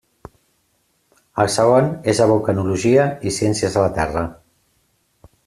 El segon és de vulcanologia i ciències de la terra.